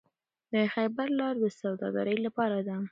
د خیبر لاره د سوداګرۍ لپاره ده.